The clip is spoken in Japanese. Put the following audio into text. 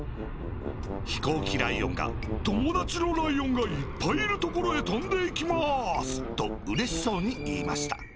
ひこうきライオンが「ともだちのライオンがいっぱいいるところへとんでいきます」とうれしそうにいいました。